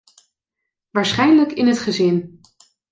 Waarschijnlijk in het gezin.